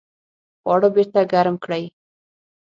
خواړه بیرته ګرم کړئ